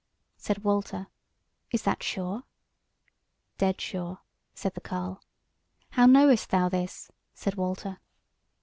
Said Walter: "Is that sure?" "Dead sure," said the carle. "How knowest thou this?" said Walter.